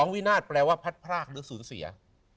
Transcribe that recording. วินาศแปลว่าพัดพรากหรือสูญเสีย